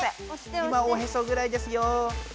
今おへそぐらいですよ。